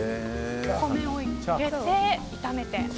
お米を入れて炒めて。